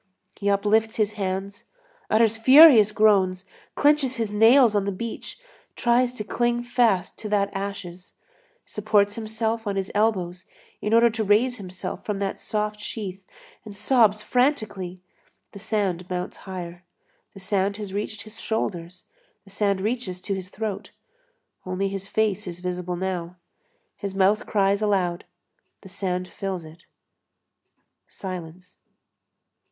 He uplifts his hands, utters furious groans, clenches his nails on the beach, tries to cling fast to that ashes, supports himself on his elbows in order to raise himself from that soft sheath, and sobs frantically; the sand mounts higher. The sand has reached his shoulders, the sand reaches to his throat; only his face is visible now. His mouth cries aloud, the sand fills it; silence.